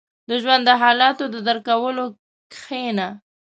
• د ژوند د حالاتو د درک لپاره کښېنه.